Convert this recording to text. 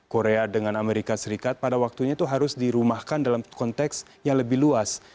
korea dengan amerika serikat pada waktunya itu harus dirumahkan dalam konteks yang lebih luas